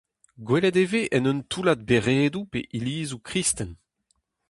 Gwelet e vez en un toullad beredoù pe ilizoù kristen.